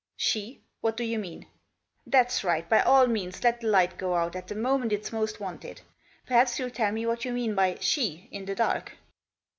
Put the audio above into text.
"She? What do you mean? That's right ! By all means let the light go out at the moment it's most wanted. Perhaps you'H tell me what you mean by •she' in the dark."